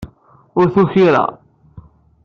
Ur t-ukireɣ.